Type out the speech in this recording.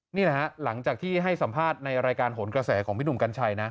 นี่แหละฮะหลังจากที่ให้สัมภาษณ์ในรายการโหนกระแสของพี่หนุ่มกัญชัยนะ